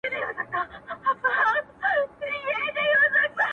زه د جنتونو و اروا ته مخامخ يمه~